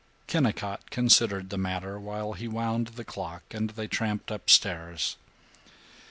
Kennicott considered the matter while he wound the clock and they tramped up stairs.